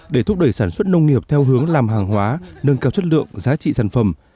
để thúc đẩy sản xuất nông nghiệp theo hướng làm hàng hóa nâng cao chất lượng giá trị sản phẩm